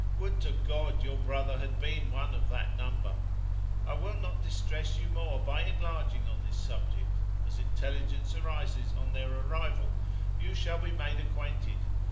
Would to God your brother had been one of that number! I will not distress you more by enlarging on this subject; as intelligence arises on their arrival, you shall be made acquainted.